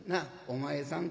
お前さん